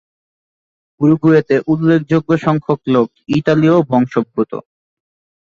উরুগুয়েতে উল্লেখযোগ্য সংখ্যক লোক ইতালীয় বংশোদ্ভূত।